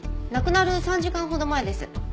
亡くなる３時間ほど前です。